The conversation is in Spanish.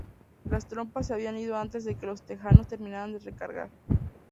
Las tropas se habían ido antes de que los texanos terminaran de recargar.